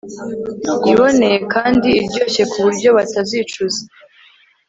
iboneye kandi iryoshye ku buryo batazicuza